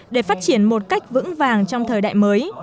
để phát triển một cách vững vàng trong thời đại mới